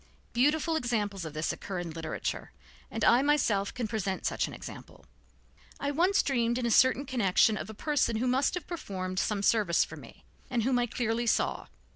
Beautiful examples of this occur in literature, and I myself can present such an example. I once dreamed in a certain connection of a person who must have performed some service for me, and whom I clearly saw.